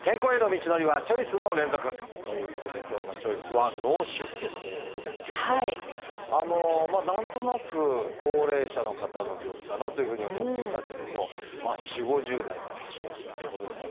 健康への道のりはチョイスの連続！ということで今日の「チョイス」は何となく高齢者の方の病気かなというふうに思っていたけれど４０５０代から発症するということですからちょっと怖い気もしますが。